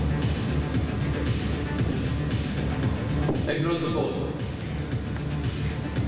フロントポーズ。